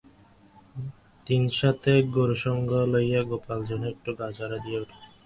দিন সাতেক গুরুসঙ্গ করিয়া গোপাল যেন একটু গা ঝাড়া দিয়া উঠিল।